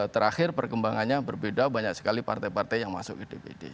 terakhir perkembangannya berbeda banyak sekali partai partai yang masuk ke dpd